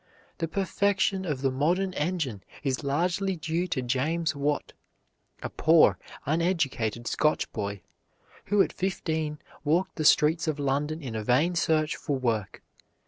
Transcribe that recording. The perfection of the modern engine is largely due to James Watt, a poor, uneducated Scotch boy, who at fifteen walked the streets of London in a vain search for work.